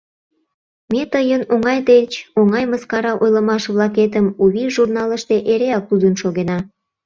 Ме тыйын оҥай деч оҥай мыскара ойлымаш-влакетым «У вий» журналыште эреак лудын шогена.